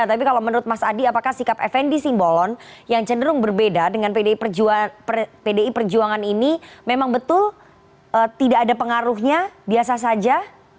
tapi kalau menurut mas adi apakah sikap fnd simbolon yang cenderung berbeda dengan pdi perjuangan ini memang betul tidak ada pengaruhnya biasa saja